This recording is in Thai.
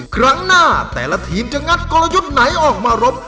ครั้งหน้าแต่ละทีมจะงัดกลยุทธ์ไหนออกมารบ